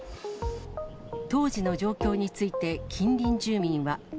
当時の状況について、近隣住民は。